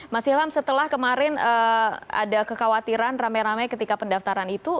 mas ilham setelah kemarin ada kekhawatiran rame rame ketika pendaftaran itu